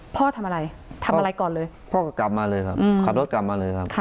พ่อทำอะไรทำอะไรก่อนเลยพ่อก็กลับมาเลยครับขับรถกลับมาเลยครับ